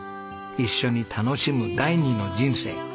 一緒に楽しむ第二の人生。